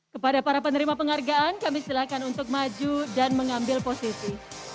kepada para penerima penghargaan kami silakan untuk maju dan mengambil posisi